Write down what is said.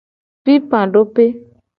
Pipadope.